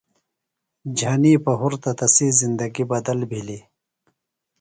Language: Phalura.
جھنیۡ پہُرتہ تسی زندگی بدل بِھلیۡ۔